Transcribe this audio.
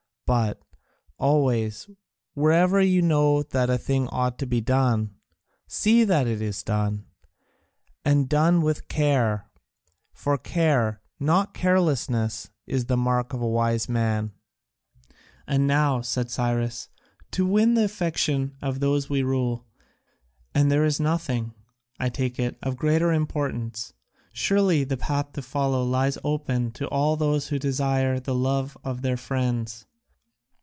But, always, wherever you know that a thing ought to be done, see that it is done, and done with care; for care, not carelessness, is the mark of the wise man." "And now," said Cyrus, "to win the affection of those we rule and there is nothing, I take it, of greater importance surely the path to follow lies open to all who desire the love of their friends.